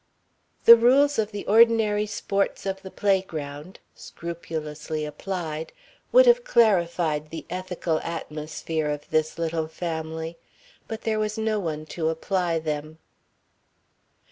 The rules of the ordinary sports of the playground, scrupulously applied, would have clarified the ethical atmosphere of this little family. But there was no one to apply them.